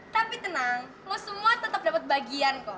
tapi tenang lo semua tetep dapat bagian kos